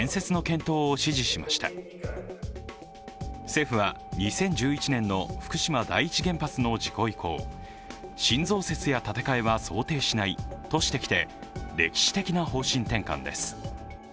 政府は２０１１年の福島第一原発の事故以降、新増設や立て替えは想定しないとしてきて歴史的な方針転換です。